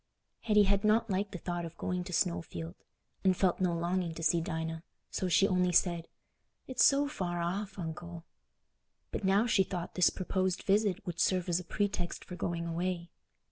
Hetty had not liked the thought of going to Snowfield, and felt no longing to see Dinah, so she only said, "It's so far off, Uncle." But now she thought this proposed visit would serve as a pretext for going away.